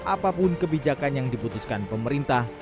apapun kebijakan yang diputuskan pemerintah